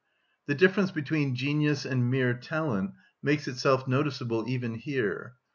The difference between genius and mere talent makes itself noticeable even here.